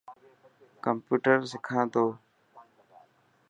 ڪمپيوٽر سکا تو.